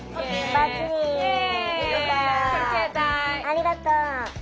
ありがとう。